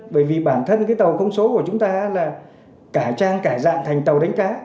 bởi vì bản thân cái tàu không số của chúng ta là cả trang cải dạng thành tàu đánh cá